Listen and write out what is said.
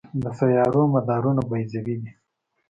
د سیارو مدارونه بیضوي دي.